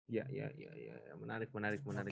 iya iya iya menarik menarik menarik